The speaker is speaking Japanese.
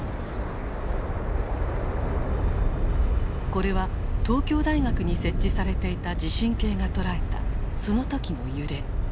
これは東京大学に設置されていた地震計が捉えたその時の揺れ。